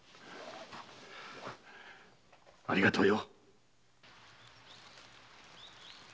ありがとうよ！